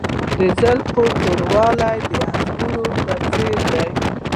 د زلفو توروالی د انګورو په څیر دی.